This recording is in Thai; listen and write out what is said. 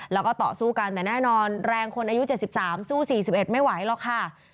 แล้วก็ต่อสู้กันแต่แน่นอนแรงคนอายุ๗๓สู้๔๑ไม่ไหวหรอกค่ะ